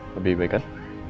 lebih baik kan